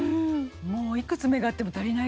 もういくつ目があっても足りないぐらいの。